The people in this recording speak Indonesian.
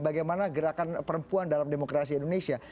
bagaimana gerakan perempuan dalam demokrasi indonesia